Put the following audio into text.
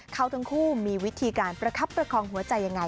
เขาทั้งคู่มีวิธีการประคับประคองหัวใจยังไง